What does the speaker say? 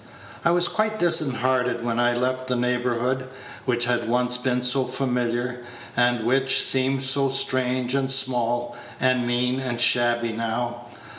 I was quite disheartened when I left the neighborhood, which had once been so familiar, and which seemed so strange, and small, and mean, and shabby now.